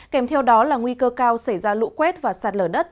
kèm theo đó là nguy cơ cao xảy ra lũ quét và sạt lở đất